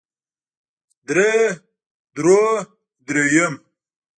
درې درو درېيم